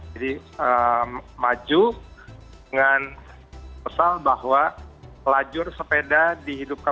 jadi maju dengan pesal bahwa lajur sepeda dihidupkan